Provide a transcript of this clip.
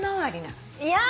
いや！